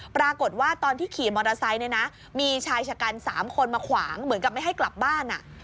ตอนที่ขี่มอเตอร์ไซค์เนี่ยนะมีชายชะกัน๓คนมาขวางเหมือนกับไม่ให้กลับบ้าน